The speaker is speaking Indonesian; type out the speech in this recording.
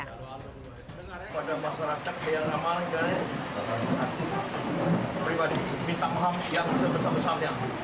kepada masyarakat yang namanya pribadi minta maaf yang sebesar besarnya